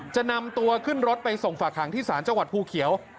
จะนำตัวขึ้นรถไปส่งฝากหางที่ศาลจังหวัดภูเขียว